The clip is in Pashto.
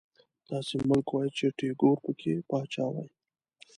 داسې ملک وای چې ټيګور پکې پاچا وای